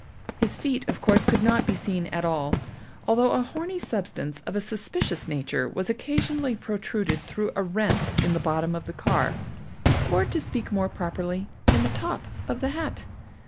His feet, of course, could not be seen at all, although a horny substance of suspicious nature was occasionally protruded through a rent in the bottom of the car, or to speak more properly, in the top of the hat.